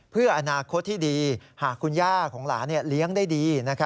เพื่ออนาคตที่ดีหากคุณย่าของหลานเลี้ยงได้ดี